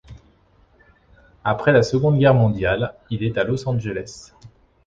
Après la Seconde Guerre mondiale, il est à Los Angeles.